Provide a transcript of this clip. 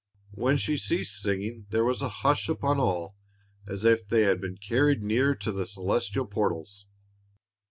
When she ceased singing, there was a hush upon all, as if they had been carried near to the celestial portals.